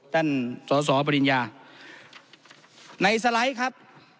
ท่านสอสอปริญญาในสไลด์ครับ